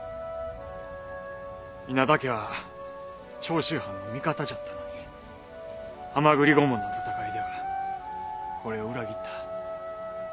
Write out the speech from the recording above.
稲田家は長州藩の味方じゃったのに蛤御門の戦いではこれを裏切った。